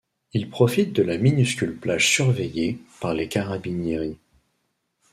Ils profitent de la minuscule plage surveillée par les carabinieri.